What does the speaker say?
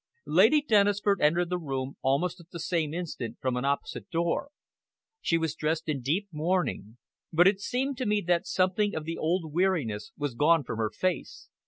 Lady Dennisford entered the room almost at the same instant from an opposite door. She was dressed in deep mourning; but it seemed to me that something of the old weariness was gone from her face.